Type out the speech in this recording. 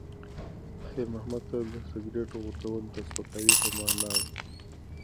خیر محمد ته د سګرټ غورځول د سپکاوي په مانا و.